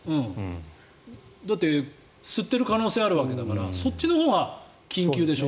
だって、吸ってる可能性があるわけだからそっちのほうが緊急でしょ。